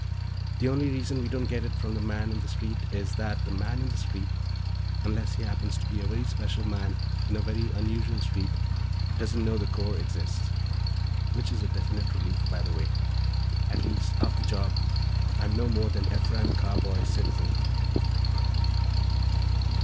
The only reason we don't get it from the man in the street is that the man in the street unless he happens to be a very special man in a very unusual street doesn't know the corps exists. Which is a definite relief, by the way; at least, off the job, I'm no more than Ephraim Carboy, citizen.